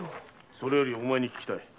それよりお前に訊きたい。